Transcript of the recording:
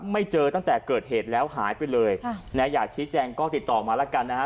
ไม่เจอตั้งแต่เกิดเหตุแล้วหายไปเลยค่ะนะอยากชี้แจงก็ติดต่อมาแล้วกันนะฮะ